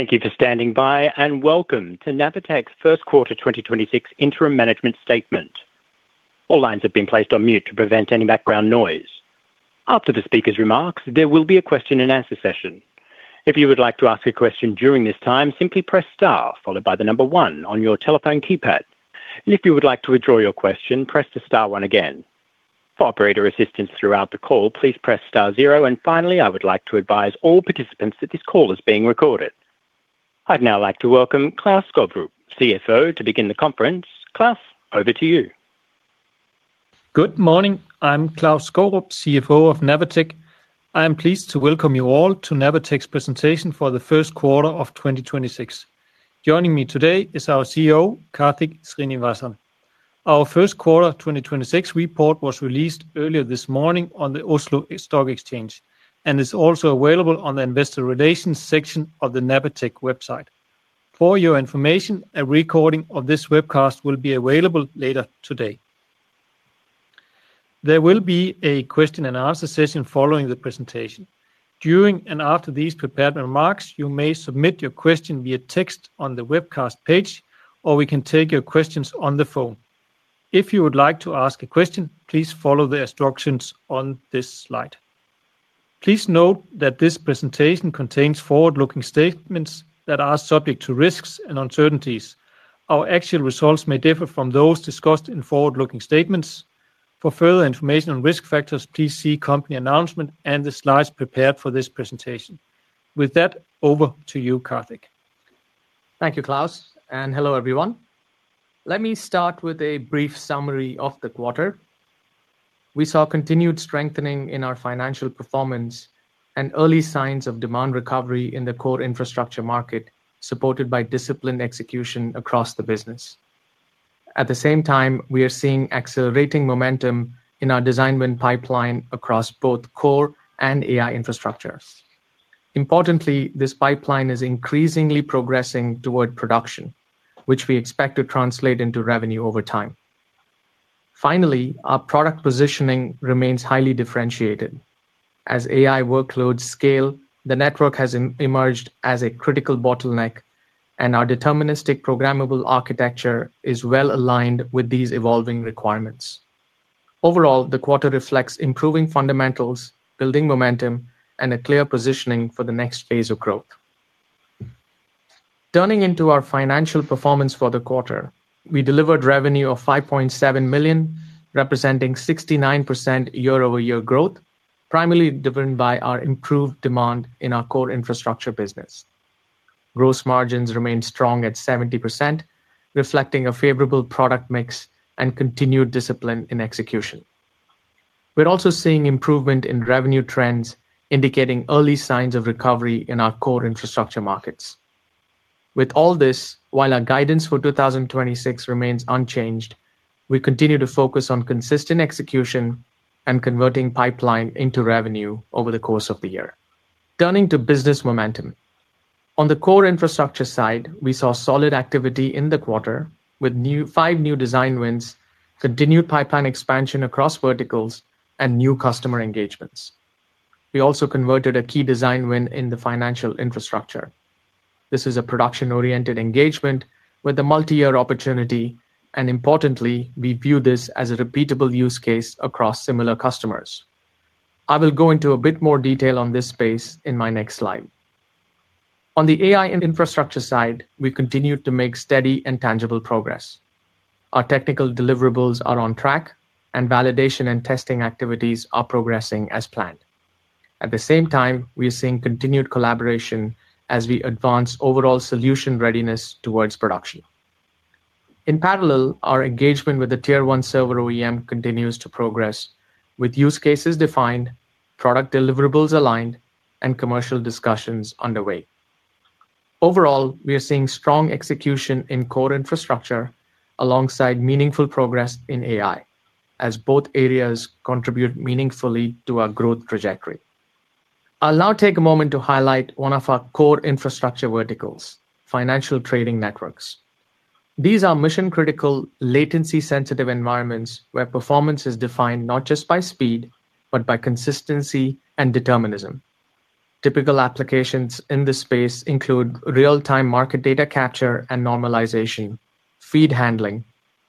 Thank you for standing by, and welcome to Napatech's Q1 2026 interim management statement. All lines have been placed on mute to prevent any background noise. After the speaker's remarks, there will be a question and answer session. If you would like to ask a question during this time, simply press star followed by one on your telephone keypad. If you would like to withdraw your question, press the star one again. For operator assistance throughout the call, please press star zero. Finally, I would like to advise all participants that this call is being recorded. I'd now like to welcome Klaus Skovrup, CFO, to begin the conference. Klaus, over to you. Good morning. I'm Klaus Skovrup, CFO of Napatech. I am pleased to welcome you all to Napatech's presentation for the Q1 of 2026. Joining me today is our CEO, Kartik Srinivasan. Our Q1 2026 report was released earlier this morning on the Oslo Stock Exchange and is also available on the investor relations section of the Napatech website. For your information, a recording of this webcast will be available later today. There will be a question and answer session following the presentation. During and after these prepared remarks, you may submit your question via text on the webcast page, or we can take your questions on the phone. If you would like to ask a question, please follow the instructions on this slide. Please note that this presentation contains forward-looking statements that are subject to risks and uncertainties. Our actual results may differ from those discussed in forward-looking statements. For further information on risk factors, please see company announcement and the slides prepared for this presentation. With that, over to you, Kartik. Thank you, Klaus, and hello, everyone. Let me start with a brief summary of the quarter. We saw continued strengthening in our financial performance and early signs of demand recovery in the core infrastructure market, supported by disciplined execution across the business. At the same time, we are seeing accelerating momentum in our design win pipeline across both core and AI infrastructures. Importantly, this pipeline is increasingly progressing toward production, which we expect to translate into revenue over time. Finally, our product positioning remains highly differentiated. As AI workloads scale, the network has emerged as a critical bottleneck, and our deterministic programmable architecture is well aligned with these evolving requirements. Overall, the quarter reflects improving fundamentals, building momentum, and a clear positioning for the next phase of growth. Turning into our financial performance for the quarter, we delivered revenue of $5.7 million, representing 69% year-over-year growth, primarily driven by our improved demand in our core infrastructure business. Gross margins remain strong at 70%, reflecting a favorable product mix and continued discipline in execution. We're also seeing improvement in revenue trends, indicating early signs of recovery in our core infrastructure markets. With all this, while our guidance for 2026 remains unchanged, we continue to focus on consistent execution and converting pipeline into revenue over the course of the year. Turning to business momentum. On the core infrastructure side, we saw solid activity in the quarter with five new design wins, continued pipeline expansion across verticals, and new customer engagements. We also converted a key design win in the financial infrastructure. This is a production-oriented engagement with a multi-year opportunity. Importantly, we view this as a repeatable use case across similar customers. I will go into a bit more detail on this space in my next slide. On the AI infrastructure side, we continued to make steady and tangible progress. Our technical deliverables are on track. Validation and testing activities are progressing as planned. At the same time, we are seeing continued collaboration as we advance overall solution readiness towards production. In parallel, our engagement with the tier-1 server OEM continues to progress with use cases defined, product deliverables aligned, and commercial discussions underway. Overall, we are seeing strong execution in core infrastructure alongside meaningful progress in AI as both areas contribute meaningfully to our growth trajectory. I'll now take a moment to highlight one of our core infrastructure verticals, financial trading networks. These are mission-critical, latency-sensitive environments where performance is defined not just by speed, but by consistency and determinism. Typical applications in this space include real-time market data capture and normalization, feed handling,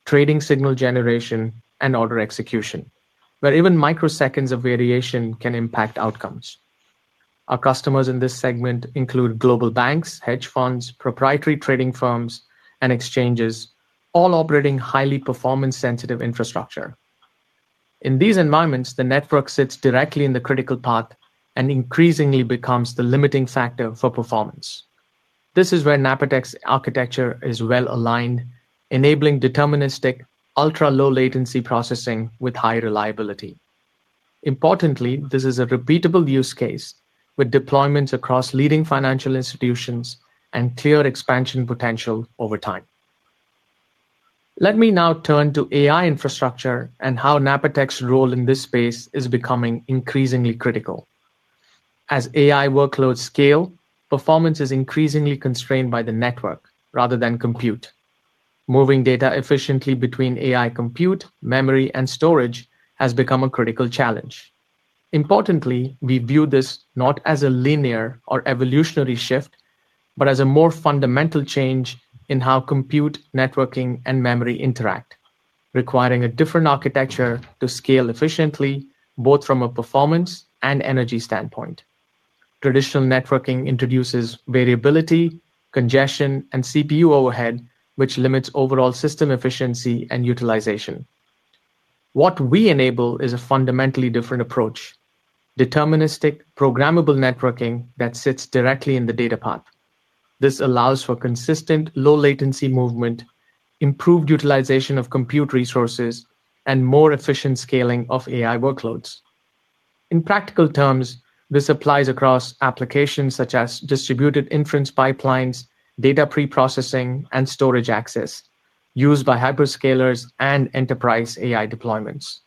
trading signal generation, and order execution, where even microseconds of variation can impact outcomes. Our customers in this segment include global banks, hedge funds, proprietary trading firms, and exchanges, all operating highly performance-sensitive infrastructure. In these environments, the network sits directly in the critical path and increasingly becomes the limiting factor for performance. This is where Napatech's architecture is well aligned, enabling deterministic, ultra-low latency processing with high reliability. Importantly, this is a repeatable use case with deployments across leading financial institutions and clear expansion potential over time. Let me now turn to AI infrastructure and how Napatech's role in this space is becoming increasingly critical. As AI workloads scale, performance is increasingly constrained by the network rather than compute. Moving data efficiently between AI compute, memory, and storage has become a critical challenge. Importantly, we view this not as a linear or evolutionary shift, but as a more fundamental change in how compute, networking, and memory interact, requiring a different architecture to scale efficiently, both from a performance and energy standpoint. Traditional networking introduces variability, congestion, and CPU overhead, which limits overall system efficiency and utilization. What we enable is a fundamentally different approach, deterministic programmable networking that sits directly in the data path. This allows for consistent low latency movement, improved utilization of compute resources, and more efficient scaling of AI workloads. In practical terms, this applies across applications such as distributed inference pipelines, data pre-processing, and storage access used by hyperscalers and enterprise AI deployments.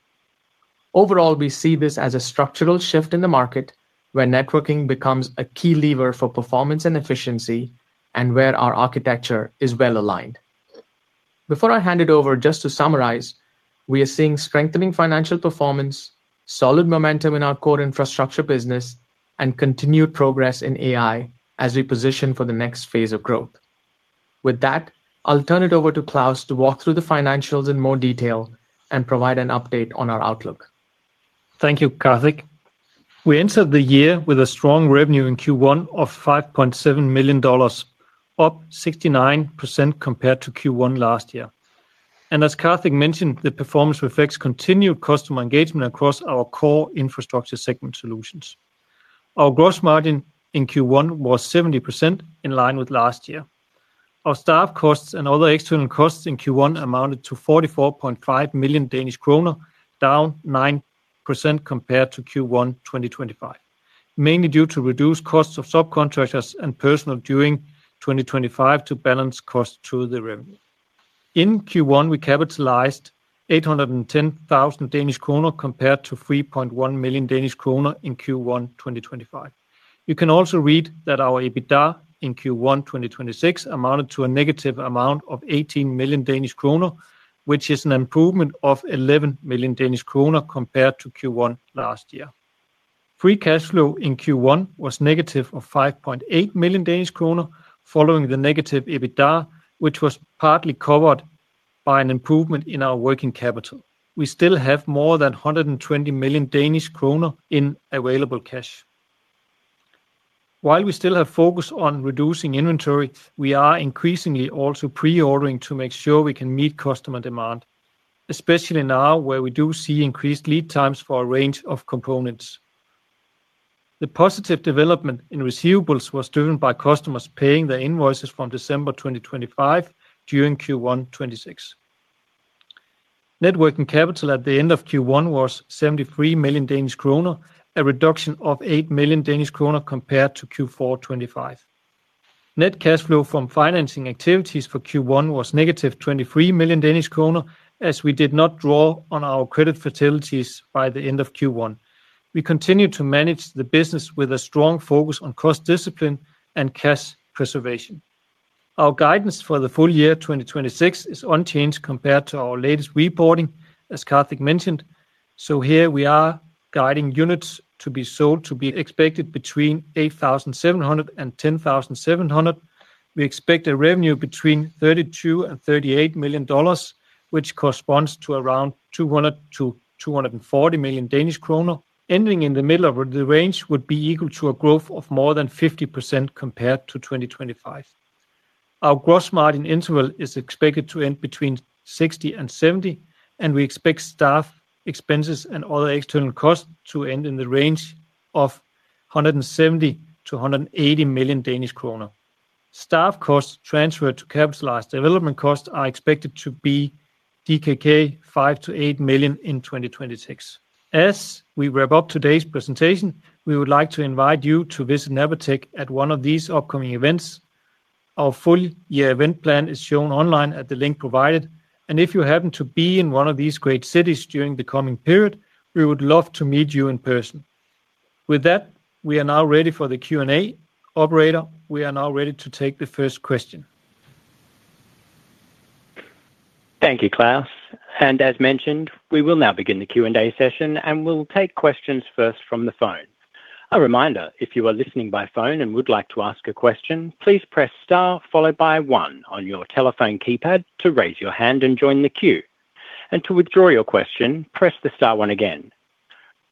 Overall, we see this as a structural shift in the market where networking becomes a key lever for performance and efficiency and where our architecture is well aligned. Before I hand it over, just to summarize, we are seeing strengthening financial performance, solid momentum in our core infrastructure business, and continued progress in AI as we position for the next phase of growth. With that, I'll turn it over to Klaus to walk through the financials in more detail and provide an update on our outlook. Thank you, Kartik. We entered the year with a strong revenue in Q1 of $5.7 million, up 69% compared to Q1 last year. As Kartik mentioned, the performance reflects continued customer engagement across our core infrastructure segment solutions. Our gross margin in Q1 was 70% in line with last year. Our staff costs and other external costs in Q1 amounted to 44.5 million Danish kroner, down 9% compared to Q1 2025, mainly due to reduced costs of subcontractors and personnel during 2025 to balance cost to the revenue. In Q1, we capitalized 810,000 Danish kroner compared to 3.1 million Danish kroner in Q1 2025. You can also read that our EBITDA in Q1 2026 amounted to a negative amount of 18 million Danish kroner, which is an improvement of 11 million Danish kroner compared to Q1 last year. Free cash flow in Q1 was negative of 5.8 million Danish kroner following the negative EBITDA, which was partly covered by an improvement in our working capital. We still have more than 120 million Danish kroner in available cash. While we still have focus on reducing inventory, we are increasingly also pre-ordering to make sure we can meet customer demand, especially now where we do see increased lead times for a range of components. The positive development in receivables was driven by customers paying their invoices from December 2025 during Q1 2026. Net working capital at the end of Q1 was 73 million Danish kroner, a reduction of 8 million Danish kroner compared to Q4 2025. Net cash flow from financing activities for Q1 was negative 23 million Danish kroner, as we did not draw on our credit facilities by the end of Q1. We continue to manage the business with a strong focus on cost discipline and cash preservation. Our guidance for the full year 2026 is unchanged compared to our latest reporting, as Kartik mentioned. Here we are guiding units to be sold to be expected between 8,700 and 10,700. We expect a revenue between $32 million and $38 million, which corresponds to around 200 million to 240 million Danish kroner. Ending in the middle of the range would be equal to a growth of more than 50% compared to 2025. Our gross margin interval is expected to end between 60% and 70%, and we expect staff expenses and other external costs to end in the range of 170 million-180 million Danish kroner. Staff costs transferred to capitalized development costs are expected to be 5 million-8 million DKK in 2026. As we wrap up today's presentation, we would like to invite you to visit Napatech at one of these upcoming events. Our full year event plan is shown online at the link provided, and if you happen to be in one of these great cities during the coming period, we would love to meet you in person. With that, we are now ready for the Q&A. Operator, we are now ready to take the first question. Thank you, Klaus. As mentioned, we will now begin the Q&A session, and we'll take questions first from the phone. A reminder, if you are listening by phone and would like to ask a question, please press star followed by one on your telephone keypad to raise your hand and join the queue. And to withdraw your question, press the star one again.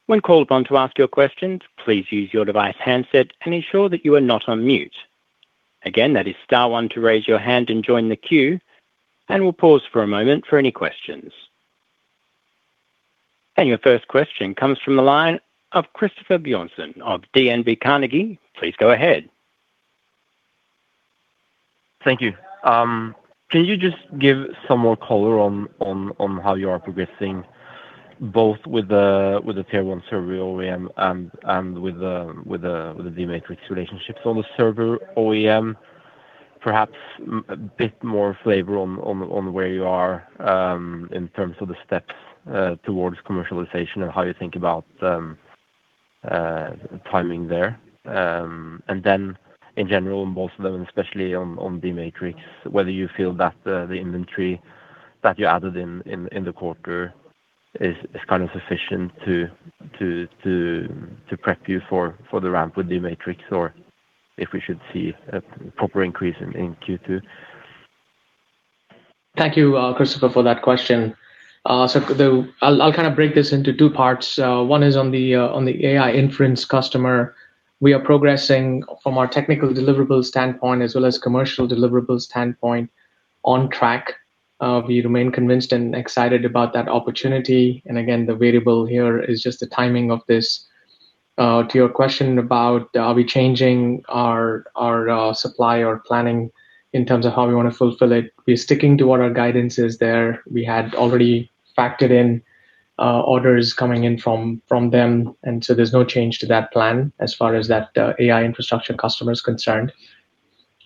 When called to ask a question, please use your device handset and ensure you are not on mute. Again that is star one to raise your hand and join the queue, and we will pause for a moment for any questions. Your first question comes from the line of Christoffer Bjørnsen of DNB Carnegie. Please go ahead. Thank you. Can you just give some more color on how you are progressing both with the tier-1 server OEM and with the d-Matrix relationships on the server OEM? Perhaps a bit more flavor on where you are in terms of the steps towards commercialization. How you think about the, timing there. In general, in most of them, especially on d-Matrix, whether you feel that the inventory that you added in the quarter is kind of sufficient to prep you for the ramp with d-Matrix, or if we should see a proper increase in Q2. Thank you, Christoffer, for that question. I'll kind of break this into two parts. One is on the AI inference customer. We are progressing from our technical deliverables standpoint as well as commercial deliverables standpoint on track. We remain convinced and excited about that opportunity. Again, the variable here is just the timing of this. To your question about, are we changing our supply or planning in terms of how we wanna fulfill it, we're sticking to what our guidance is there. We had already factored in orders coming in from them, there's no change to that plan as far as that AI infrastructure customer is concerned.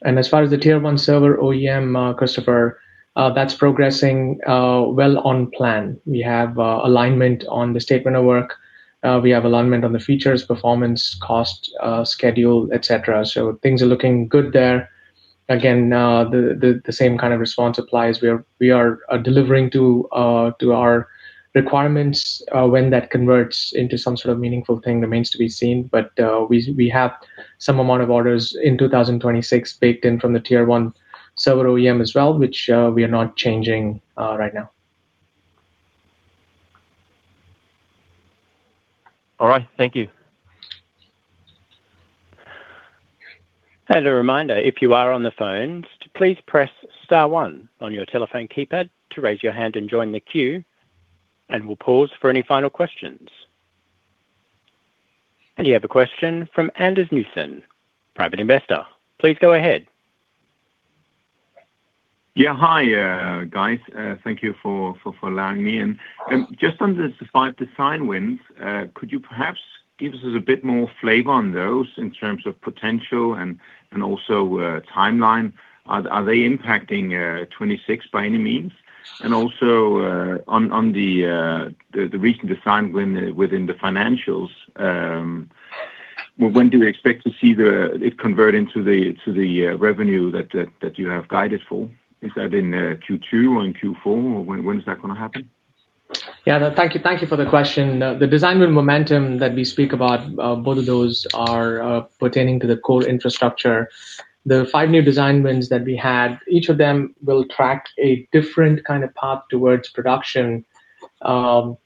As far as the tier-1 server OEM, Christoffer, that's progressing well on plan. We have alignment on the statement of work. We have alignment on the features, performance, cost, schedule, et cetera. Things are looking good there. Again, the same kind of response applies. We are delivering to our requirements. When that converts into some sort of meaningful thing remains to be seen. We have some amount of orders in 2026 baked in from the tier-1 server OEM as well, which, we are not changing right now. All right. Thank you. A reminder, if you are on the phone, please press star one on your telephone keypad to raise your hand and join the queue, and we will pause for any final questions. You have a question from Anders Newson, private investor. Please go ahead. Yeah. Hi, guys. Thank you for allowing me in. Just on the five design wins, could you perhaps give us a bit more flavor on those in terms of potential and also, timeline? Are they impacting 2026 by any means? Also, on the recent design win within the financials, when do we expect to see it convert into the revenue that you have guided for? Is that in Q2 or in Q4? When is that gonna happen? Yeah. Thank you. Thank you for the question. The design win momentum that we speak about, both of those are pertaining to the core infrastructure. The five new design wins that we had, each of them will track a different kind of path towards production. Some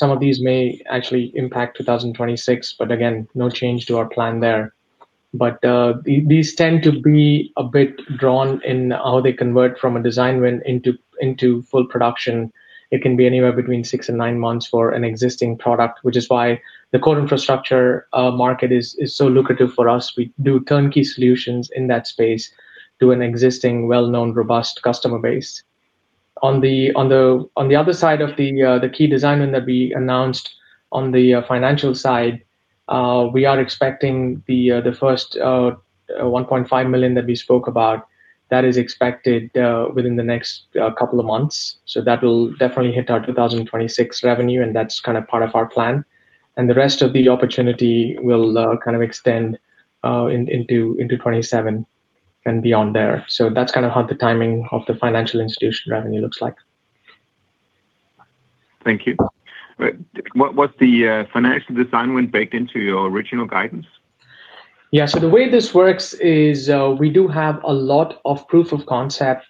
of these may actually impact 2026, again, no change to our plan there. These tend to be a bit drawn in how they convert from a design win into full production. It can be anywhere between six and nine months for an existing product, which is why the core infrastructure market is so lucrative for us. We do turnkey solutions in that space to an existing well-known, robust customer base. On the other side of the key design win that we announced on the financial side, we are expecting the first 1.5 million that we spoke about. That is expected within the next couple of months. That will definitely hit our 2026 revenue, and that's kind of part of our plan. The rest of the opportunity will kind of extend into 2027 and beyond there. That's kind of how the timing of the financial institution revenue looks like. Thank you. Was the financial design win baked into your original guidance? Yeah. The way this works is, we do have a lot of proof of concept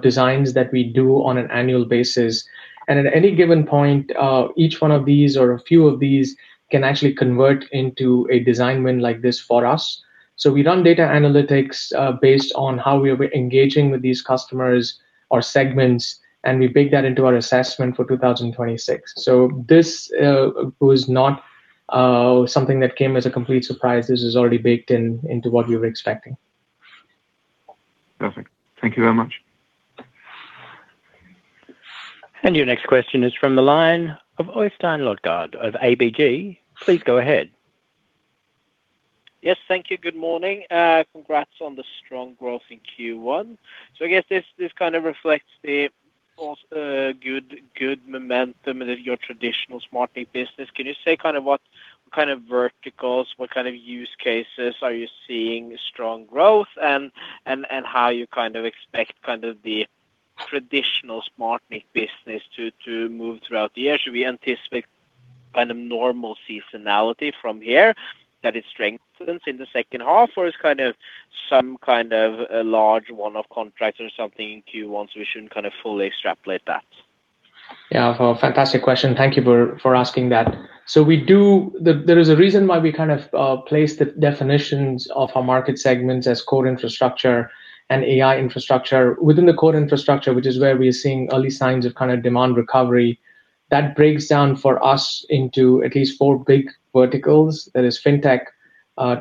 designs that we do on an annual basis. At any given point, each one of these or a few of these can actually convert into a design win like this for us. We run data analytics, based on how we are engaging with these customers or segments, and we bake that into our assessment for 2026. This was not something that came as a complete surprise. This is already baked in into what we were expecting. Perfect. Thank you very much. Your next question is from the line of Øystein Lodgaard of ABG. Please go ahead. Yes. Thank you. Good morning. Congrats on the strong growth in Q1. I guess this kind of reflects the good momentum in your traditional SmartNIC business. Can you say kind of what kind of verticals, what kind of use cases are you seeing strong growth and how you kind of expect kind of the traditional SmartNIC business to move throughout the year? Should we anticipate kind of normal seasonality from here, that it strengthens in the H2, or it's kind of some kind of a large one-off contract or something in Q1, we shouldn't kind of fully extrapolate that? Yeah. Fantastic question. Thank you for asking that. There is a reason why we place the definitions of our market segments as core infrastructure and AI infrastructure. Within the core infrastructure, which is where we are seeing early signs of demand recovery, that breaks down for us into at least four big verticals. That is fintech,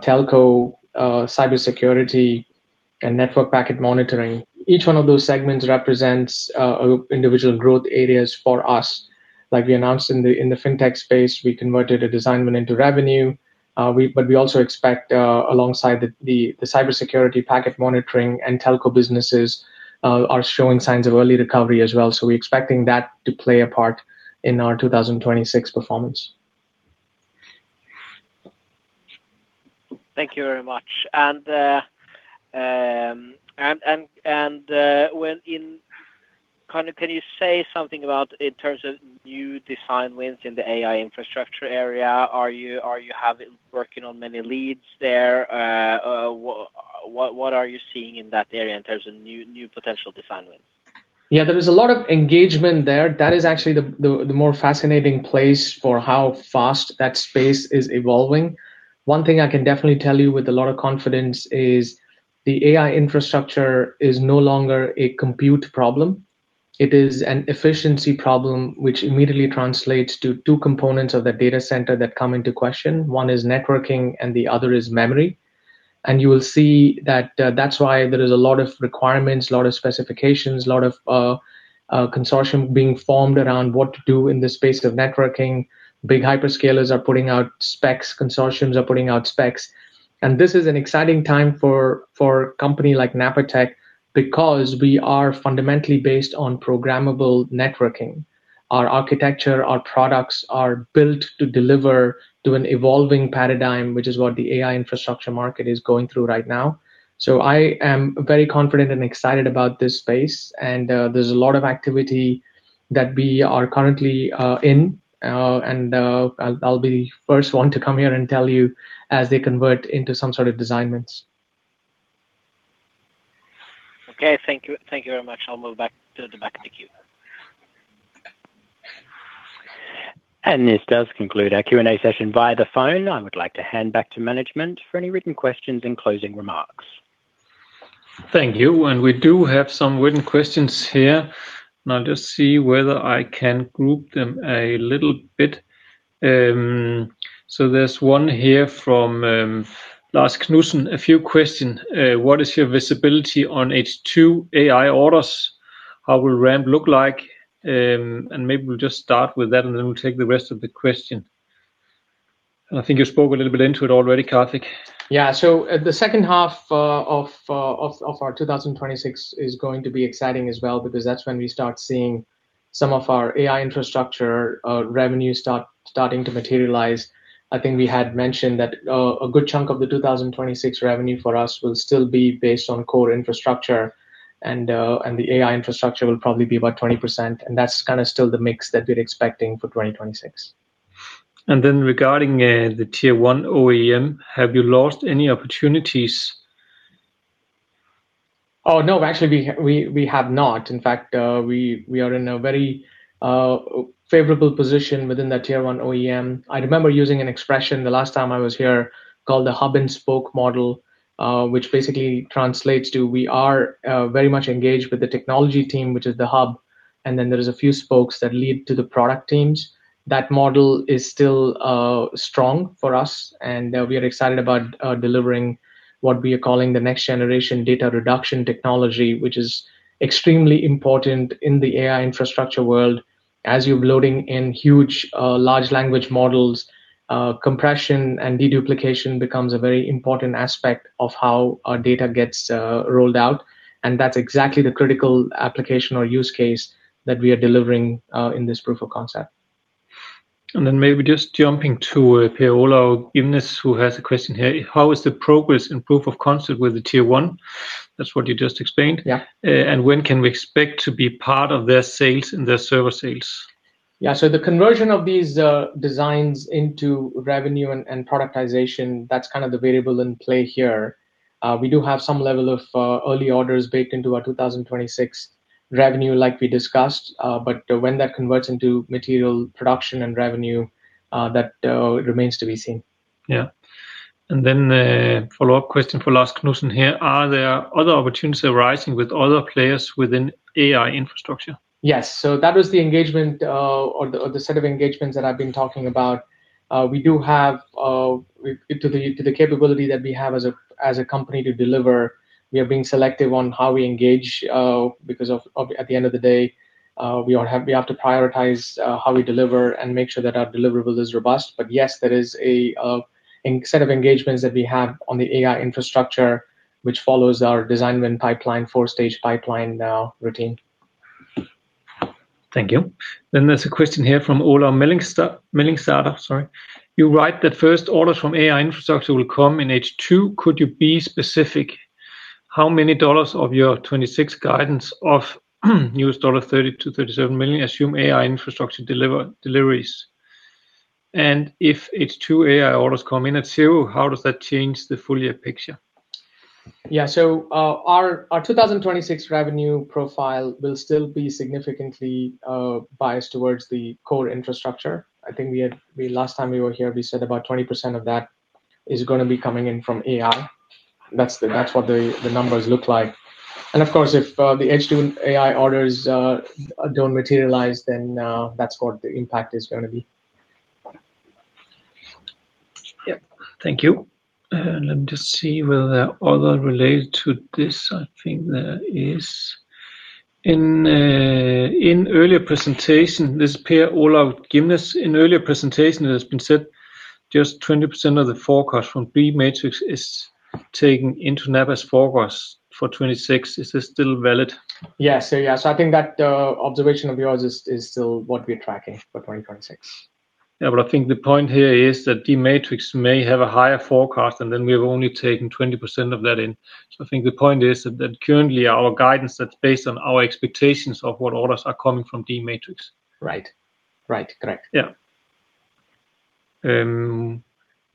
telco, cybersecurity, and network packet monitoring. Each one of those segments represents individual growth areas for us. Like we announced in the fintech space, we converted a design win into revenue. We also expect alongside the cybersecurity packet monitoring and telco businesses are showing signs of early recovery as well. We're expecting that to play a part in our 2026 performance. Thank you very much. When in Kind of can you say something about in terms of new design wins in the AI infrastructure area, are you working on many leads there? What are you seeing in that area in terms of new potential design wins? Yeah, there is a lot of engagement there. That is actually the more fascinating place for how fast that space is evolving. One thing I can definitely tell you with a lot of confidence is the AI infrastructure is no longer a compute problem. It is an efficiency problem, which immediately translates to two components of the data center that come into question. One is networking, and the other is memory. You will see that's why there is a lot of requirements, a lot of specifications, a lot of consortium being formed around what to do in the space of networking. Big hyperscalers are putting out specs, consortiums are putting out specs. This is an exciting time for a company like Napatech because we are fundamentally based on programmable networking. Our architecture, our products are built to deliver to an evolving paradigm, which is what the AI infrastructure market is going through right now. I am very confident and excited about this space and, there's a lot of activity that we are currently in, and, I'll be first one to come here and tell you as they convert into some sort of design wins. Okay. Thank you. Thank you very much. I'll move back to the back of the queue. This does conclude our Q&A session via the phone. I would like to hand back to management for any written questions and closing remarks. Thank you. We do have some written questions here. I'll just see whether I can group them a little bit. There's one here from Lars Knudsen. A few question. What is your visibility on H2 AI orders? How will ramp look like? Maybe we'll just start with that, then we'll take the rest of the question. I think you spoke a little bit into it already, Kartik. Yeah. The H2 of our 2026 is going to be exciting as well because that's when we start seeing some of our AI infrastructure revenue starting to materialize. I think we had mentioned that a good chunk of the 2026 revenue for us will still be based on core infrastructure and the AI infrastructure will probably be about 20%, and that's kind of still the mix that we're expecting for 2026. Regarding, the tier-1 OEM, have you lost any opportunities? Oh, no. Actually, we have not. In fact, we are in a very favorable position within the tier-1 OEM. I remember using an expression the last time I was here called the hub and spoke model, which basically translates to we are very much engaged with the technology team, which is the hub, and then there is a few spokes that lead to the product teams. That model is still strong for us, and we are excited about delivering what we are calling the next generation data reduction technology, which is extremely important in the AI infrastructure world. As you're loading in huge, large language models, compression and deduplication becomes a very important aspect of how our data gets rolled out, and that's exactly the critical application or use case that we are delivering in this proof of concept. Maybe just jumping to Per Olav Gimnæs, who has a question here. How is the progress and proof of concept with the tier-1? That's what you just explained. Yeah. When can we expect to be part of their sales and their server sales? The conversion of these designs into revenue and productization, that's kind of the variable in play here. We do have some level of early orders baked into our 2026 revenue like we discussed, but when that converts into material production and revenue, that remains to be seen. Yeah. A follow-up question for Lars Knudsen here. Are there other opportunities arising with other players within AI infrastructure? Yes. That was the engagement, or the set of engagements that I've been talking about. We do have, to the capability that we have as a company to deliver, we are being selective on how we engage, because at the end of the day, we have to prioritize how we deliver and make sure that our deliverable is robust. Yes, there is a set of engagements that we have on the AI infrastructure, which follows our design win pipeline, four-stage pipeline routine. Thank you. There's a question here from Ola [Melingstad], sorry. You write that first orders from AI infrastructure will come in H2. Could you be specific how many dollars of your 26 guidance of $30 million-$37 million assume AI infrastructure deliveries? If H2 AI orders come in at, [inaudible] how does that change the full-year picture? Yeah. Our 2026 revenue profile will still be significantly biased towards the core infrastructure. I think last time we were here, we said about 20% of that is gonna be coming in from AI. That's what the numbers look like. Of course, if the H2 AI orders don't materialize, then that's what the impact is gonna be. Yeah. Thank you. Let me just see were there other related to this. I think there is. In earlier presentation, this is Per Olav Gimnæs. In earlier presentation, it has been said just 20% of the forecast from d-Matrix is taken into Napatech's forecast for 2026. Is this still valid? Yeah. Yeah, so I think that observation of yours is still what we're tracking for 2026. I think the point here is that d-Matrix may have a higher forecast, and then we've only taken 20% of that in. I think the point is that currently our guidance that's based on our expectations of what orders are coming from d-Matrix. Right. Right. Correct. Yeah.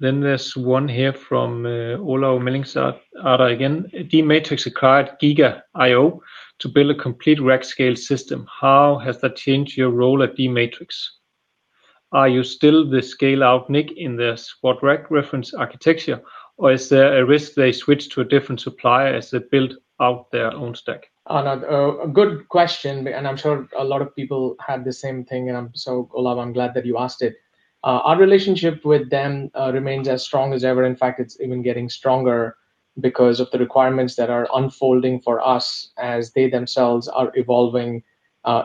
There's one here from Ola [Melingstad] again. d-Matrix acquired GigaIO to build a complete rack scale system. How has that changed your role at d-Matrix? Are you still the scale-out NIC in the SWAT rack reference architecture, or is there a risk they switch to a different supplier as they build out their own stack? Oh, no, a good question, and I'm sure a lot of people had the same thing, and I'm so Ola, I'm glad that you asked it. Our relationship with them remains as strong as ever. In fact, it's even getting stronger because of the requirements that are unfolding for us as they themselves are evolving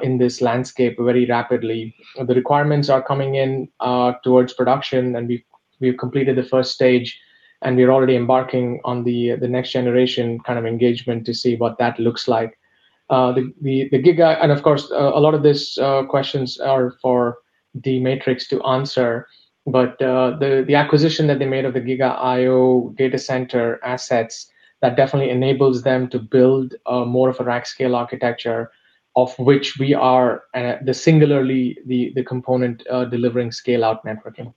in this landscape very rapidly. The requirements are coming in towards production, and we've completed the first stage, and we're already embarking on the next generation kind of engagement to see what that looks like. Of course, a lot of these questions are for d-Matrix to answer, the acquisition that they made of the GigaIO data center assets, that definitely enables them to build a more of a rack scale architecture of which we are the singularly the component delivering scale-out networking.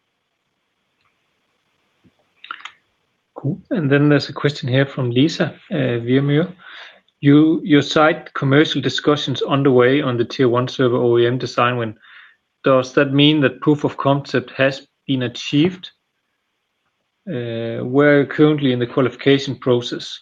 Cool. Then there's a question here from Lisa [Vimier]. You cite commercial discussions underway on the tier-1 server OEM design win. Does that mean that proof of concept has been achieved? Where currently in the qualification process?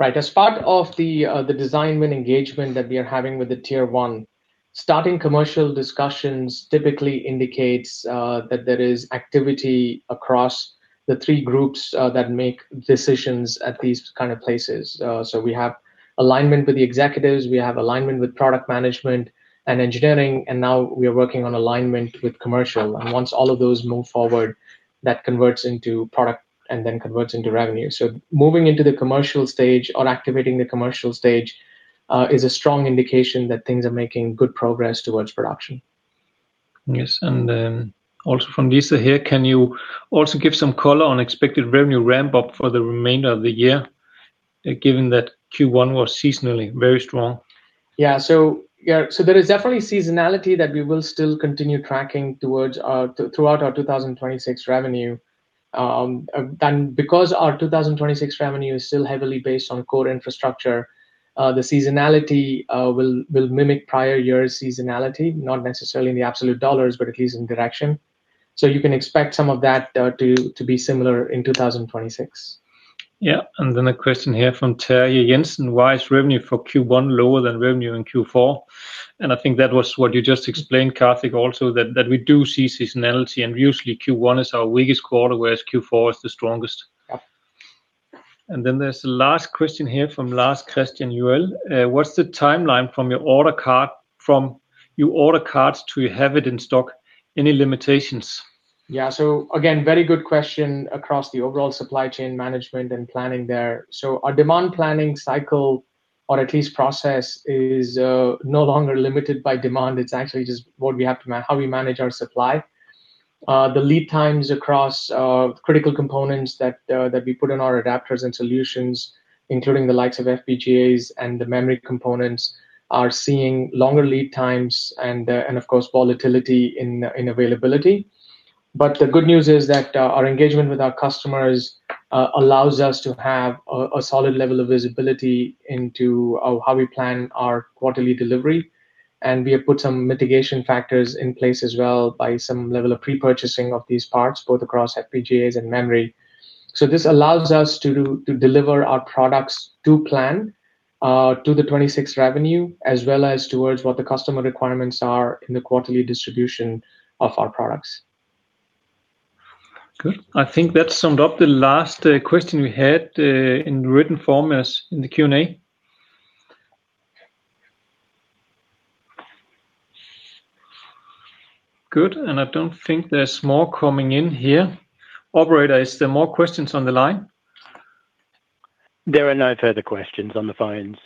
As part of the design win engagement that we are having with the tier-1, starting commercial discussions typically indicates that there is activity across the three groups that make decisions at these kind of places. So we have alignment with the executives, we have alignment with product management and engineering, now we are working on alignment with Commercial. Once all of those move forward, that converts into product and converts into revenue. Moving into the commercial stage or activating the commercial stage is a strong indication that things are making good progress towards production. Yes. Also from Lisa here, can you also give some color on expected revenue ramp-up for the remainder of the year, given that Q1 was seasonally very strong? Yeah. There is definitely seasonality that we will still continue tracking throughout our 2026 revenue. Because our 2026 revenue is still heavily based on core infrastructure, the seasonality will mimic prior year seasonality, not necessarily in the absolute dollars, but at least in direction. You can expect some of that to be similar in 2026. Yeah. A question here from Terry Jensen. Why is revenue for Q1 lower than revenue in Q4? I think that was what you just explained, Kartik, also that we do see seasonality, and usually Q1 is our weakest quarter, whereas Q4 is the strongest. Yeah. There's the last question here from Lars Christian Iuel. What's the timeline from your order cart to you have it in stock? Any limitations? Yeah. Again, very good question across the overall supply chain management and planning there. Our demand planning cycle, or at least process, is no longer limited by demand. It's actually just how we manage our supply. The lead times across critical components that we put in our adapters and solutions, including the likes of FPGAs and the memory components, are seeing longer lead times and of course, volatility in availability. The good news is that our engagement with our customers allows us to have a solid level of visibility into how we plan our quarterly delivery, and we have put some mitigation factors in place as well by some level of pre-purchasing of these parts, both across FPGAs and memory. This allows us to deliver our products to plan, to the 26 revenue, as well as towards what the customer requirements are in the quarterly distribution of our products. Good. I think that summed up the last question we had in written form as in the Q&A. Good. I don't think there's more coming in here. Operator, is there more questions on the line? There are no further questions on the phones.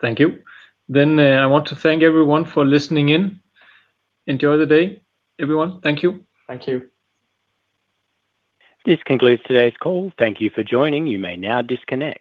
Thank you. I want to thank everyone for listening in. Enjoy the day, everyone. Thank you. Thank you. This concludes today's call. Thank you for joining. You may now disconnect.